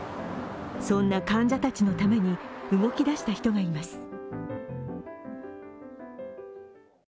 そんな患者たちのために動きだした人がいます。